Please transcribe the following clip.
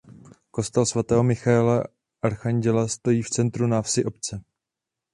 Kostel svatého Michaela archanděla stojí v centru návsi obce.